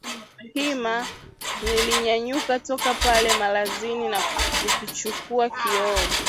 Hima, nilinyanyuka toka pale malazini na kukichukua kioo